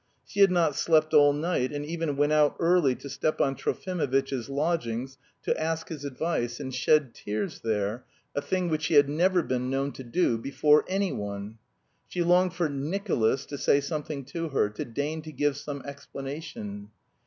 She had not slept all night and even went out early to Stepan Trofimovitch's lodgings to ask his advice, and shed tears there, a thing which she had never been known to do before anyone. She longed for "Nicolas" to say something to her, to deign to give some explanation.